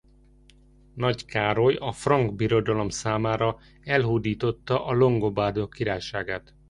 Nagy Károly a Frank Birodalom számára elhódította a longobárdok királyságát.